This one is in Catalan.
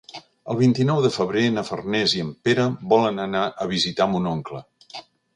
El vint-i-nou de febrer na Farners i en Pere volen anar a visitar mon oncle.